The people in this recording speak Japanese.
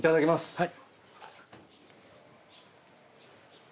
はい。